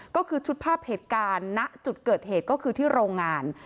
ก็คือชุดภาพเหตุการณ์ณจุดเกิดเหตุก็คือที่โรงงาน